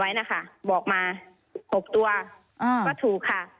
เราคนอร่อยเขาเลยเขียนไว้นะคะบอกมา๖ตัวก็ถูกค่ะ